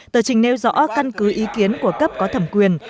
tờ trình nêu rõ căn cứ ý kiến của cấp có thẩm quyền